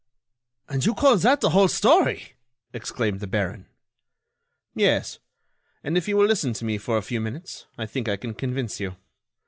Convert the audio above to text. "And you call that the whole story!" exclaimed the baron. "Yes, and if you will listen to me for a few minutes, I think I can convince you.